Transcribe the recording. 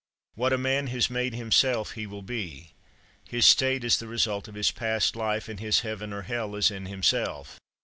What a man has made himself, he will be; his state is the result of his past life, and his heaven or hell is in himself.